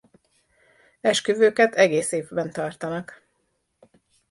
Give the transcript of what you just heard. Esküvőket egész évben tartanak.